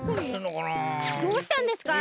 どうしたんですか？